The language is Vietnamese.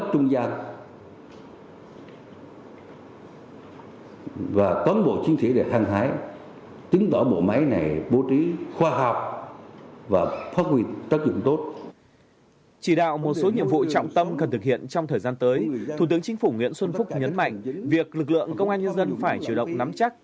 thủ tướng chính phủ nguyễn xuân phúc nhấn mạnh việc lực lượng công an nhân dân phải chủ động nắm chắc